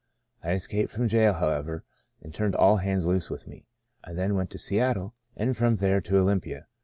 I escaped from jail, however, and turned all hands loose with me. I then went to Seattle, and from there to Olympia.